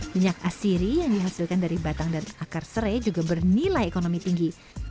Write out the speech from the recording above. minyak asiri yang dihasilkan dari batang dan akar serai juga bernilai ekonomi tinggi